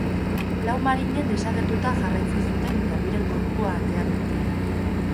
Lau marinel desagertuta jarraitzen zuten eta biren gorpua atear dute.